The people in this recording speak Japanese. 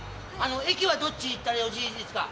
駅はどっち行ったらよろしいですか？